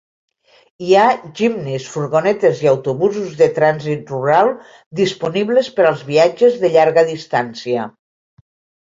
Hi ha jipnis, furgonetes i autobusos de trànsit rural disponibles per als viatges de llarga distància.